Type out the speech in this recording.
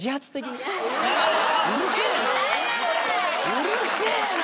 うるせぇな！